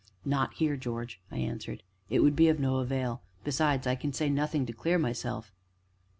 "Not here, George," I answered; "it would be of no avail besides, I can say nothing to clear myself."